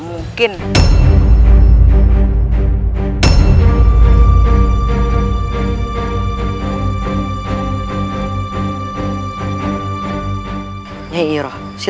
tuhan yang terbaik